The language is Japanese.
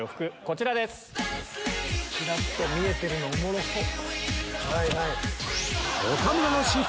ちらっと見えてるのおもろっ。